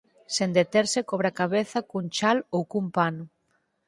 Sen deterse cobre a cabeza cun chal ou cun pano.